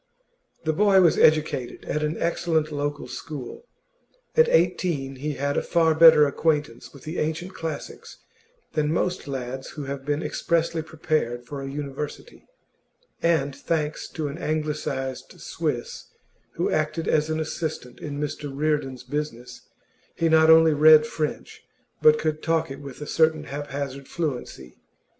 The boy was educated at an excellent local school; at eighteen he had a far better acquaintance with the ancient classics than most lads who have been expressly prepared for a university, and, thanks to an anglicised Swiss who acted as an assistant in Mr Reardon's business, he not only read French, but could talk it with a certain haphazard fluency.